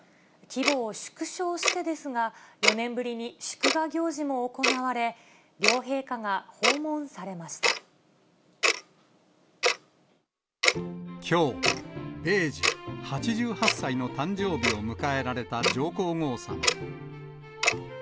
規模を縮小してですが、４年ぶりに祝賀行事も行われ、きょう、米寿・８８歳の誕生日を迎えられた上皇后さま。